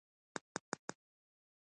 که یوازې هغه د کیسې په پلاټ پوهیدای